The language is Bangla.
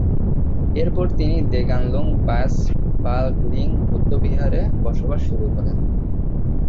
এরপর তিনি দ্গোন-লুং-ব্যাম্স-পা-গ্লিং বৌদ্ধবিহারে বসবাস শুরু করেন।